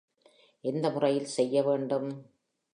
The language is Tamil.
எந்த முறையில் செய்ய வேண்டும்?